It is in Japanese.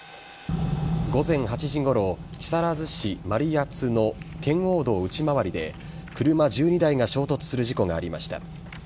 午前８時ごろ木更津市真里谷の圏央道内回りで車１２台が衝突する事故がありました。